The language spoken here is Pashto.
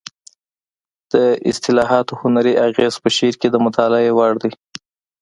د اصطلاحاتو هنري اغېز په شعر کې د مطالعې وړ دی